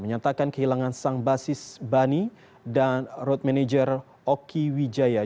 menyatakan kehilangan sang basis bani dan road manager oki wijaya